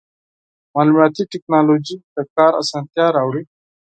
مالوماتي ټکنالوژي د کار اسانتیا راوړي.